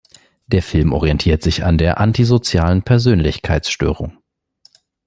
Der Film orientiert sich an der antisozialen Persönlichkeitsstörung.